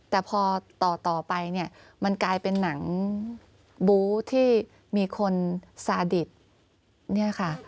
แต่พอต่อไปเนี่ยมันกลายเป็นหนังบู๊ที่มีคนซาดิตเนี่ยค่ะ